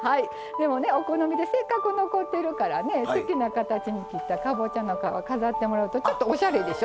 でもねお好みでせっかく残ってるからね好きな形に切ったかぼちゃの皮飾ってもらうとちょっとおしゃれでしょ。